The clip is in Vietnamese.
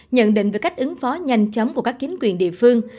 nhận định về cách ứng phó nhanh chóng của các chính quyền địa phương